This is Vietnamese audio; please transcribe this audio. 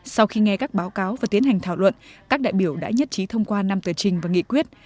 sau khi nghe các báo cáo và tiến hành thảo luận các đại biểu đã nhất trí thông qua năm tờ trình và nghị quyết